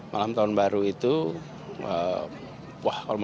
malam tahun baru itu wah kalau malam tahun baru